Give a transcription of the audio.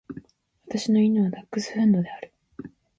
私の犬はダックスフンドである。